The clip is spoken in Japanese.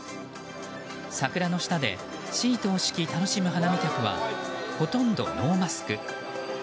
桜の下で、シートを敷き楽しむ花見客はほとんどノーマスク。